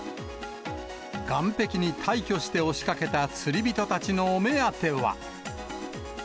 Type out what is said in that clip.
岸壁に大挙して押しかけた釣り人たちのお目当ては。